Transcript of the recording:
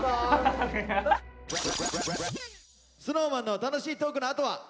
ＳｎｏｗＭａｎの楽しいトークのあとは。